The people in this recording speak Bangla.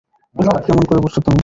কেমন করে বসেছ তুমি।